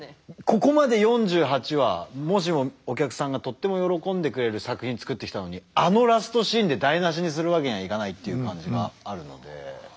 ここまで４８話もしもお客さんがとっても喜んでくれる作品作ってきたのにあのラストシーンで台なしにするわけにはいかないっていう感じがあるので。